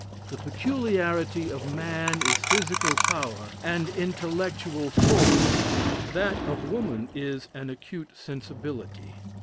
The peculiarity of man is physical power, and intellectual force; that of woman is an acute sensibility.